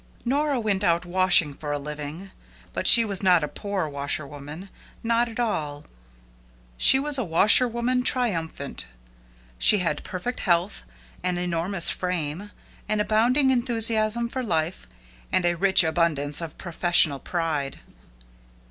Nora went out washing for a living. But she was not a poor washerwoman. Not at all. She was a washerwoman triumphant. She had perfect health, an enormous frame, an abounding enthusiasm for life, and a rich abundance of professional pride.